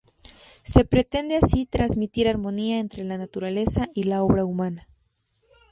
Se pretende así transmitir armonía entre la naturaleza y la obra humana.